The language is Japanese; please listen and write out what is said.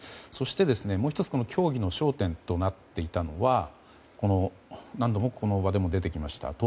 そして、もう１つ協議の焦点となっていたのは何度もこの場でも出てきました